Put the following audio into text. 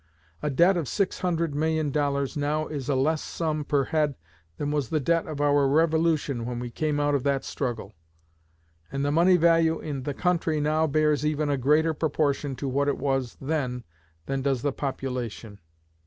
A debt of $600,000,000 now is a less sum per head than was the debt of our Revolution when we came out of that struggle; and the money value in the country now bears even a greater proportion to what it was then than does the population.